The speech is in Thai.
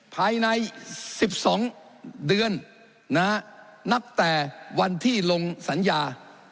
ภายใน๑๒เดือนนับแต่วันที่ลงสัญญา